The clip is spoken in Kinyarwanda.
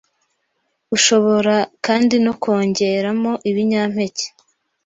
Ushobora kandi no kongeramo ibinyampeke